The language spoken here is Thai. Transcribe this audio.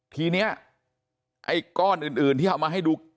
ทีนี้ไอ้ก้อนอื่นที่เอามาให้ดู